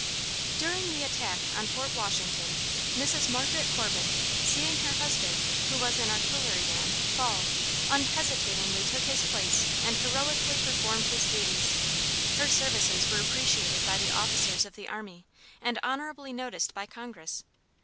During the attack on Fort Washington, Mrs. Margaret Corbin, seeing her husband, who was an artillery man, fall, unhesitatingly took his place and heroically performed his duties. Her services were appreciated by the officers of the army, and honorably noticed by Congress.